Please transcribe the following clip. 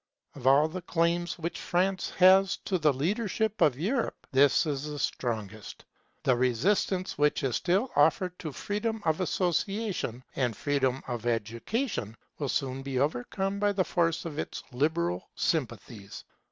Of all the claims which France has to the leadership of Europe, this is the strongest. The resistance which is still offered to freedom of association and freedom of education will soon be overcome by the force of its liberal sympathies.